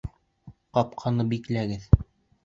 Ҡапҡаны бикләгеҙ.